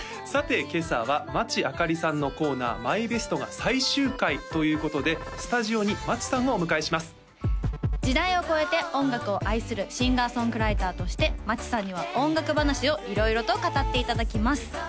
さて今朝は町あかりさんのコーナーＭＹＢＥＳＴが最終回ということでスタジオに町さんをお迎えします時代を超えて音楽を愛するシンガー・ソングライターとして町さんには音楽話を色々と語っていただきます